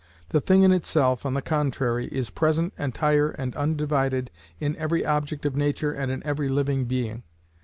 The thing in itself, on the contrary, is present entire and undivided in every object of nature and in every living being.